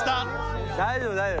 大丈夫大丈夫！